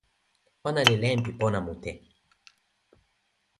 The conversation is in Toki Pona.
ona li len pi pona mute.